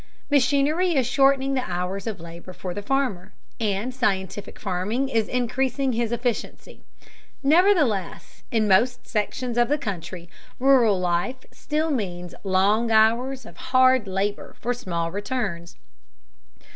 Machinery is shortening the hours of labor for the farmer, and scientific farming is increasing his efficiency; nevertheless, in most sections of the country rural life still means long hours of hard labor for small returns.